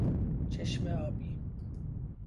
چشم آبی